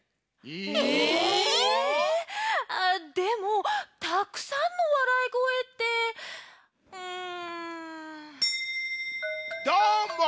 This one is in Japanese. でもたくさんのわらいごえってうん。